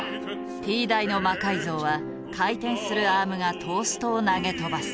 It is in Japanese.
Ｔ大の魔改造は回転するアームがトーストを投げ飛ばす。